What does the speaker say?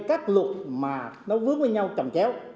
các luật mà nó vướng với nhau trồng chéo